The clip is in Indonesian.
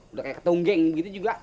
udah kaya ketunggeng gitu juga